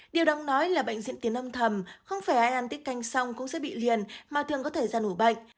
điều đáng nói là bệnh diễn tiến âm thầm không phải ai ăn tiết canh xong cũng sẽ bị liền mà thường có thời gian ủ bệnh